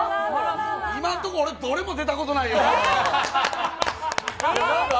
今のところ、俺、どれも出たことないよ。